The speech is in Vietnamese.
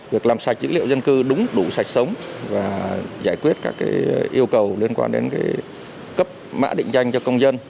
việc làm sạch dữ liệu dân cư đúng đủ sạch sống và giải quyết các yêu cầu liên quan đến cấp mã định danh cho công dân